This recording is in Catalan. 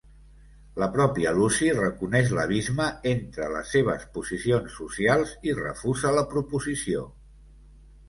La pròpia Lucy reconeix l'abisme entre les seves posicions socials i refusa la proposició.